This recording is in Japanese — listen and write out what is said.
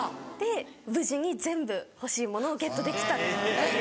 無事に全部欲しいものをゲットできたっていう。